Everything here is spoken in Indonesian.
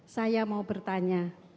saya mau bertanya